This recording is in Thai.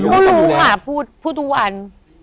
ก็รู้ค่ะพูดทุกวัน